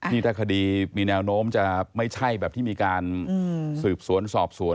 นี่ถ้าคดีมีแนวโน้มจะไม่ใช่แบบที่มีการสืบสวนสอบสวน